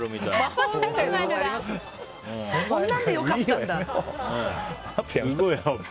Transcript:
そんなんで良かったんだ。